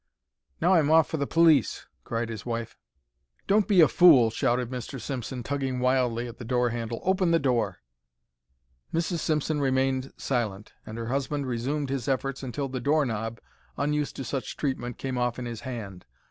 "Now I'm off for the police," cried his wife. "Don't be a fool," shouted Mr. Simpson, tugging wildly at the door handle. "Open the door." Mrs. Simpson remained silent, and her husband resumed his efforts until the door knob, unused to such treatment, came off in his hand.